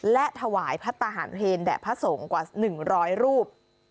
และถวายพระทหารเพลแด่พระสงฆ์กว่า๑๐๐รูป